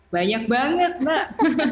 banyak banget mbak